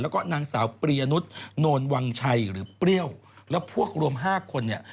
แล้วก็นางสาวปริยนุษย์โนนวังชัยหรือเปรี้ยวแล้วพวกรวม๕คนเนี่ย